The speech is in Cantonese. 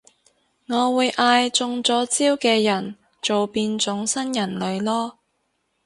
我會嗌中咗招嘅人做變種新人類囉